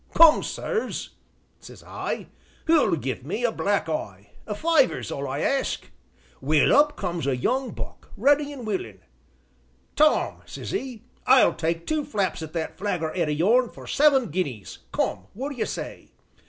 Come, sirs,' says I, 'who'll give me a black eye; a fiver's all I ask.' Well, up comes a young buck, ready an' willin'. 'Tom,' says 'e, 'I'll take two flaps at that figger head o' yourn for seven guineas, come, what d'ye say?'